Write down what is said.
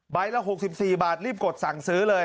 ละ๖๔บาทรีบกดสั่งซื้อเลย